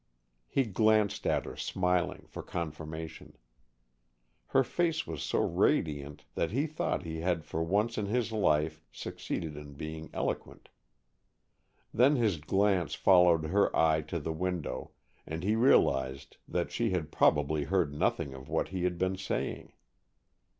He glanced at her, smiling, for confirmation. Her face was so radiant that he thought he had for once in his life succeeded in being eloquent. Then his glance followed her eye to the window, and he realized that she had probably heard nothing of what he had been saying.